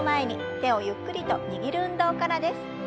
手をゆっくりと握る運動からです。